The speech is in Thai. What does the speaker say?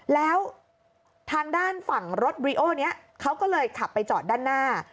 แล้วทางด้านฝั่งรถบริโอนี้เขาก็เลยขับไปจอดด้านหน้า